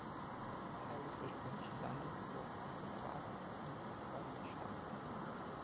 Ein Teil des ursprünglichen Landes wurde aus dem Reservat des Nisqually-Stammes entnommen.